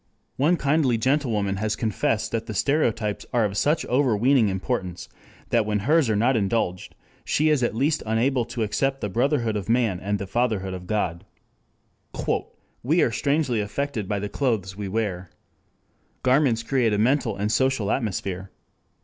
One kindly gentlewoman has confessed that the stereotypes are of such overweening importance, that when hers are not indulged, she at least is unable to accept the brotherhood of man and the fatherhood of God: "we are strangely affected by the clothes we wear. Garments create a mental and social atmosphere.